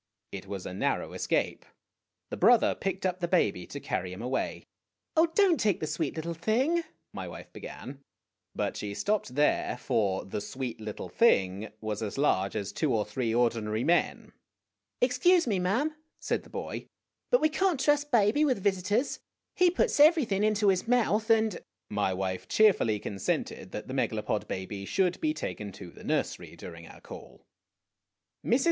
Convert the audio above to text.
It was a narrow escape. The brother picked up the baby to carry him away. "Oh, don't take the sweet little thing my wife began; but she stopped there, for "the sweet little thing" was as large as two or three ordinary men. "Excuse me, ma'am," said the boy, "but we can't trust baby with visitors. He puts everything into his mouth, and My wife cheerfully consented that the Megalopod baby should be taken to the nursery during our call. Mrs.